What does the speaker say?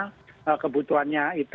karena kebutuhannya itu